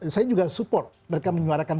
saya juga support mereka menyuarakan